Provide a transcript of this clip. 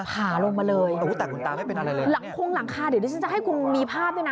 ผ่าลงมาเลยโอ้โหแต่คุณตาไม่เป็นอะไรเลยหลังคงหลังคาเดี๋ยวที่ฉันจะให้คุณมีภาพด้วยนะ